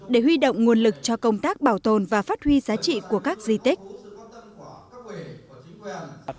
để huy động nguồn lực cho công tác bảo tồn và phát huy giá trị của các di tích